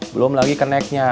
belom lagi kenaiknya